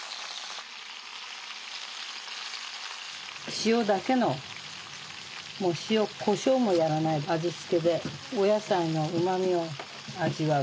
塩だけのもうこしょうもやらない味付けでお野菜のうまみを味わう。